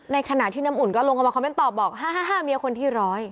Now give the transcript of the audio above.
ในขณะที่น้ำอุ่นก็ลงเข้ามาคอมเมนต์ตอบบอก๕๕เมียคนที่ร้อย